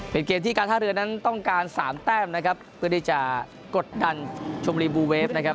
เป็นเกมที่การท่าเรือนั้นต้องการสามแต้มนะครับเพื่อที่จะกดดันชมรีบูเวฟนะครับ